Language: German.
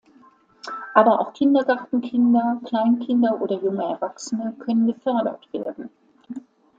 Aber auch Kindergartenkinder, Kleinkinder oder junge Erwachsene können gefördert werden.